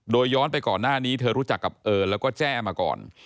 โดยย้อนไปก่อนหน้านี้เธอรู้จักกับเอิญแล้วก็แจ้มาก่อน